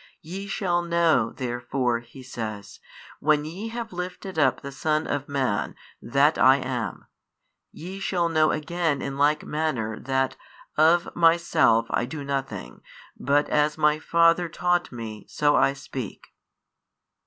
Ye shall know therefore (He says) when ye have lifted up the Son of Man, that I am, ye shall know again in like manner that of Myself I do nothing, but as My Father taught Me, so I speak.